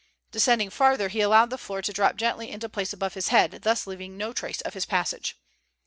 Descending farther he allowed the floor to drop gently into place above his head, thus leaving no trace of his passage.